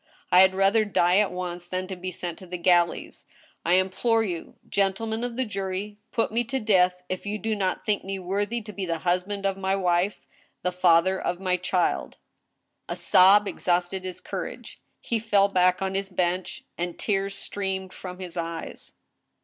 I had rather die at once than to be sent to the galleys. I implore you, gentlemen of the jury, ... put me to death if you do . not think me worthy to be the husband of my wife, the father of my child!" A sob exhausted his courage. He fell back on his bench, and tears streamed from his eyes.